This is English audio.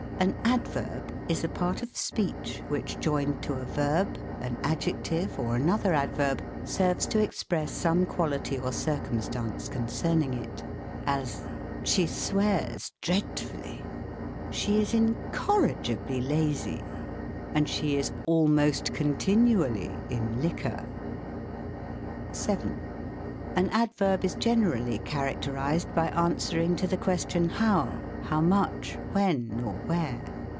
An Adverb is a part of speech which, joined to a verb, an adjective, or another adverb, serves to express 5"rre quality or circumstance concerning it : as, " Sho ETYMOLOGY. 23 swears dreadfully ; she is incorrigibly lazy ; and she is almost continually in liquor." 7. An Adverb is generally characterised by answer ing to the question, How ? how much ? wlien ? or where